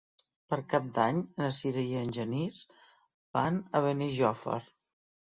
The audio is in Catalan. Per Cap d'Any na Sira i en Genís van a Benijòfar.